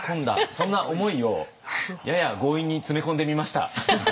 そんな思いをやや強引に詰め込んでみました。